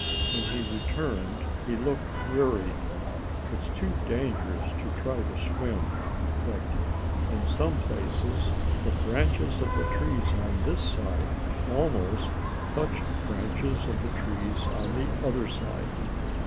When he returned he looked worried. "It is too dangerous to try to swim," he clicked. "In some places the branches of the trees on this side almost touch branches of the trees on the other side.